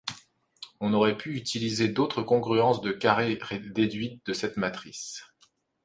On aurait pu utiliser d'autres congruences de carrés déduites de cette matrice.